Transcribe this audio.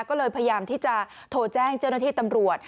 ก็เลยพยายามที่จะโทรแจ้งเจ้าหน้าที่ตำรวจ